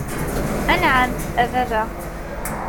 Anɛam, a baba.